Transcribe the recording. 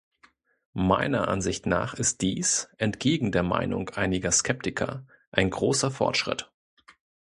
Meiner Ansicht nach ist dies, entgegen der Meinung einiger Skeptiker, ein großer Fortschritt.